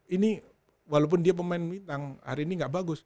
ini walaupun dia pemain bintang hari ini nggak bagus